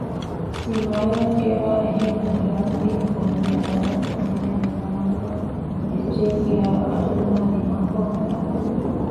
ސިމާޔާ ފިޔަވައި އެހެން ހުރިހާ ކުދިން ކޮންމެ ދުވަހަކު އަހަންނާ ދިމާއަށް އެއްޗެހި ކިޔާ އަހަންނާ ދިމާކޮށް ހަދާނެ